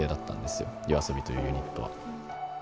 ＹＯＡＳＯＢＩというユニットは。